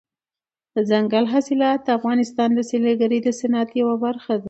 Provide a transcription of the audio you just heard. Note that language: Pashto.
دځنګل حاصلات د افغانستان د سیلګرۍ د صنعت یوه برخه ده.